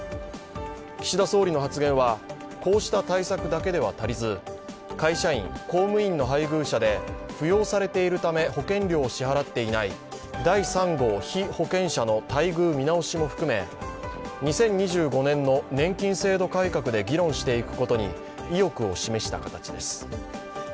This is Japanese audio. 岸田総理の発言は、こうした対策だけでは足りず会社員・公務員の配偶者で扶養されているため保険料を支払っていない第３号被保険者の待遇見直しも含め、２０２５年の年金制度改革で議論していくことに意欲を示した形です。